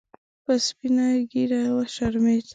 په سپینه ګیره وشرمید